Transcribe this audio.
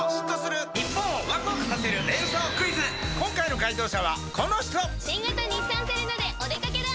今回の解答者はこの人新型日産セレナでお出掛けだ！